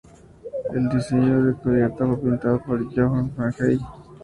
El diseño de la cubierta fue pintado por John Fahey.